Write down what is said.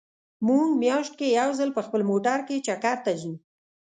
مونږ مياشت کې يو ځل په خپل موټر کې چکر ته ځو